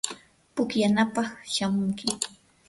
pukllanapaq shamunki.